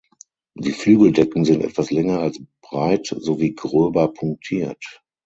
Die Flügeldecken sind etwas länger als breit sowie gröber punktiert.